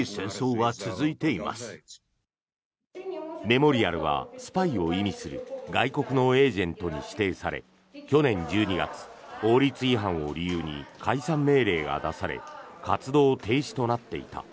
メモリアルはスパイを意味する外国のエージェントに指定され去年１２月法律違反を理由に解散命令が出され活動停止となっていた。